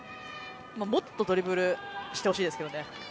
もっとドリブルしてほしいですよね。